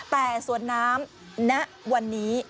แต่สวนน้ำณวันนี้